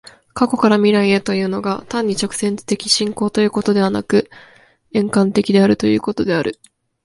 過去から未来へというのが、単に直線的進行ということでなく、円環的であるということである。